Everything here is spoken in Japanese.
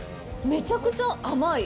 めちゃくちゃ甘い。